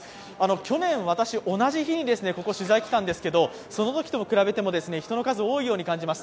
去年、私、同じ日にここ取材に来たんですけれども、そのときと比べても人の数、多いように感じます。